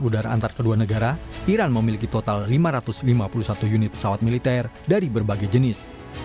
di udara antar kedua negara iran memiliki total lima ratus lima puluh satu unit pesawat militer dari berbagai jenis